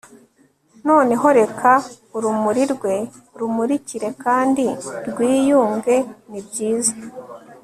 noneho reka urumuri rwe rumurikire kandi rwiyunge nibyiza